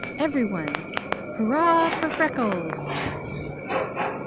Everyone! Hurrah for Freckles!"